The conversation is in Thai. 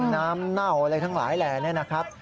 น้ำน้วอะไรทั้งหลายแหล่นเนี่ยนะครับ